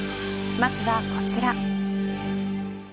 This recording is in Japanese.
まずはこちら。